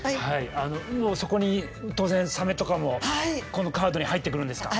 もうそこに当然サメとかもこのカードに入ってくるんですか？